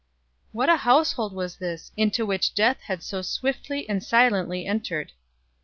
What a household was this into which death had so swiftly and silently entered!